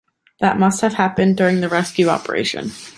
That must have happened during the rescue operation.